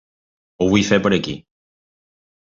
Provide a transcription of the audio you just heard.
Ho vull fer per aquí.